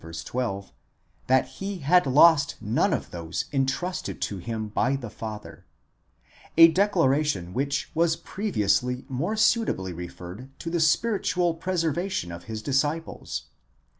12), that he had lost none of those intrusted to him by the Father ; a declaration which was previously more suitably referred to the spiritual preservation of his disciples.